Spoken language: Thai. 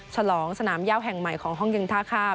ฉลองสนามย่าวแห่งใหม่ของห้องเย็นท่าข้าม